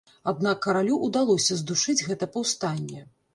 Аднак каралю ўдалося здушыць гэта паўстанне.